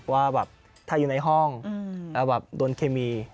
ว่าถ้าอยู่ในห้องแล้วโดนเขมี